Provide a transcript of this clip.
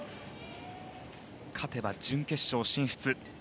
勝てば準決勝進出。